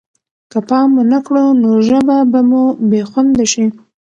که پام ونه کړو نو ژبه به مو بې خونده شي.